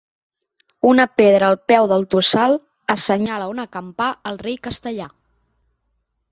Una pedra al peu del tossal assenyala on acampà el rei castellà.